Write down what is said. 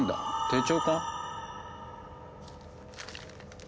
手帳か？